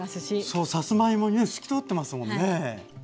そうさつまいも透き通ってますもんね。